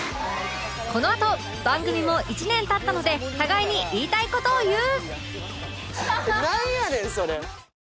このあと番組も１年経ったので互いに言いたい事を言う